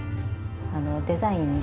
あのデザインで